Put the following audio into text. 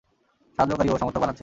সাহায্যকারী ও সমর্থক বানাচ্ছে।